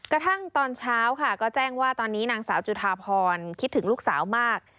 กระทั่งตอนเช้าค่ะก็แจ้งว่าตอนนี้นางสาวจุธาพรคิดถึงลูกสาวมาก